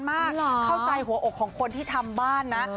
เข้าใจหัวอกของคนที่ทำบ้านนะ